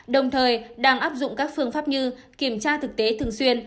đồng thời đang áp dụng các phương pháp như kiểm tra thực tế thường xuyên